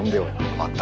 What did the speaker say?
また。